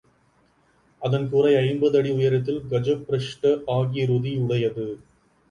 அதன் கூரை ஐம்பது அடி உயரத்தில் கஜப்பிரஷ்ட ஆகிருதி உடையது.